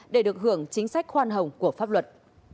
để được hưởng chính sách khoan hồng của pháp luật